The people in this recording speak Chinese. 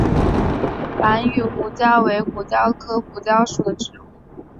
兰屿胡椒为胡椒科胡椒属的植物。